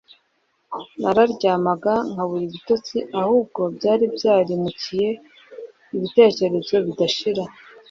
nararyamaga nkabura ibitotsi ahubwo byari byarimukiye ibitekerezo bidashira